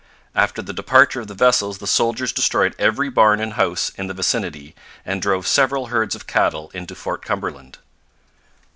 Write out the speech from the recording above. After the departure of the vessels the soldiers destroyed every barn and house in the vicinity and drove several herds of cattle into Fort Cumberland.